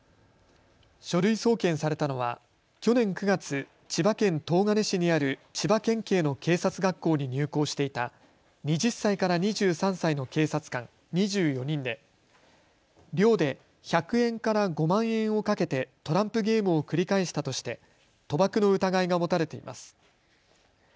書類送検されたのは去年９月、千葉県東金市にある千葉県警の警察学校に入校していた２０歳から２３歳の警察官２４人で寮で１００円から５万円を賭けてトランプゲームを繰り返したとして賭博の疑いが持たれています。